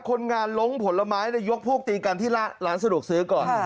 คนงานลงผลไม้ยกพวกตีกันที่ร้านสะดวกซื้อก่อน